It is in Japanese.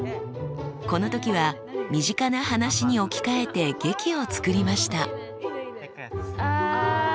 この時は身近な話に置き換えて劇を作りました。